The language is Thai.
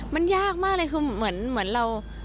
มันยากมากเลยคือเหมือนเรา